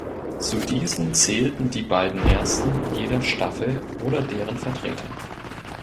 Zu diesen zählten die beiden ersten jeder Staffel oder deren Vertreter.